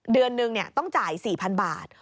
เดือนนึงต้องจ่าย๔๐๐๐บาท